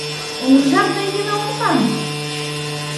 "on żadnej nie ma odwagi!"